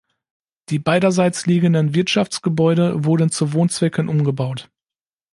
Die beiderseits liegenden Wirtschaftsgebäude wurden zu Wohnzwecken umgebaut.